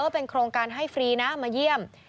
เป็นโครงการให้ฟรีนะมาเยี่ยม